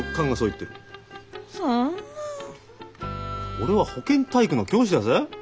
俺は保健体育の教師だぜ？